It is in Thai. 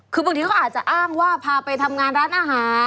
คือบางทีเขาอาจจะอ้างว่าพาไปทำงานร้านอาหาร